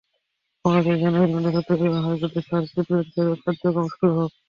আমরা চাই জানুয়ারির মধ্যে চট্টগ্রামে হাইকোর্টের সার্কিট বেঞ্চের কার্যক্রম শুরু হোক।